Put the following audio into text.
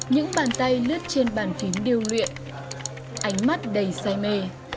những bàn tay lướt trên bàn kính điêu luyện ánh mắt đầy say mê